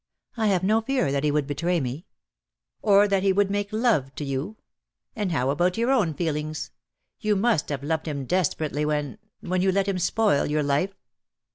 I have no fear that he would betray me." "Or that he would make love to you? And how about your own feelings? You must have loved him desperately when — when you let him spoil your life."